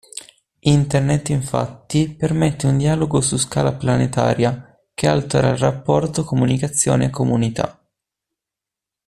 Internet infatti permette un dialogo su scala planetaria che altera il rapporto comunicazione/comunità.